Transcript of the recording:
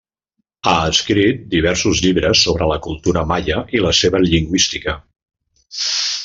Ha escrit diversos llibres sobre la cultura maia i la seva lingüística.